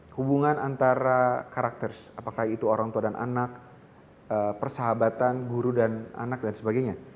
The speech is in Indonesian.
hubungan antara karakter apakah itu orang tua dan anak persahabatan guru dan anak dan sebagainya